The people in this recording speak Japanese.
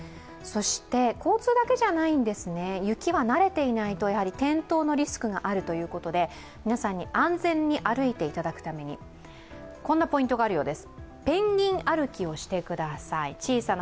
交通だけではないんです、雪は慣れていないと転倒のリスクがあるということで皆さんに安全に歩いていただくためにこんなポイントがあるようです。